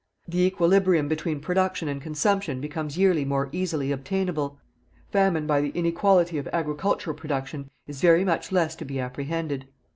The equilibrium between production and consumption becomes yearly more easily obtainable. Famine by the inequality of agricultural production is very much less to be apprehended.